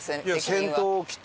いや先頭を切って。